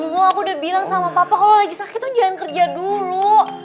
duh aku udah bilang sama papa kalau lo lagi sakit jangan kerja dulu